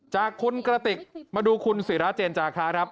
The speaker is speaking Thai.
จากคุณกระติกมาดูคุณศิราเจนจาคะครับ